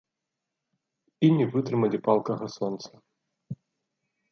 І не вытрымалі палкага сонца.